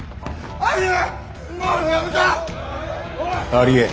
「ありえん！